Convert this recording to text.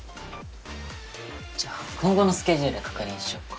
じゃあ今後のスケジュール確認しよっか。